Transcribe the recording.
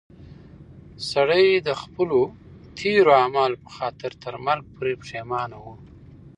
سړی د خپلو تېرو اعمالو په خاطر تر مرګ پورې پښېمانه و.